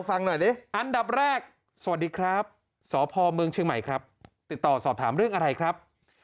ฟังหน่อยดิอันดับแรกสวัสดีครับสพเมืองเชียงใหม่ครับติดต่อสอบถามเรื่องอะไรครับ